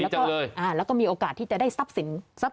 อ๋อเอาก็มีโอกาสนะ